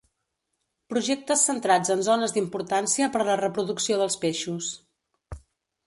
Projectes centrats en zones d'importància per la reproducció dels peixos.